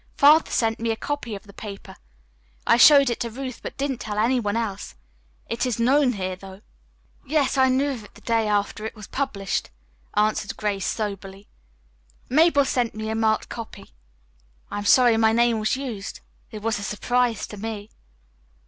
Father sent me a copy of the paper. I showed it to Ruth, but didn't tell any one else. It is known here, though." "Yes, I knew of it the day after it was published," answered Grace soberly. "Mabel sent me a marked copy. I am sorry my name was used. It was a surprise to me."